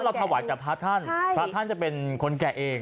เพราะเราถวักจะพระท่านพระท่านจะเป็นคนแก่เอง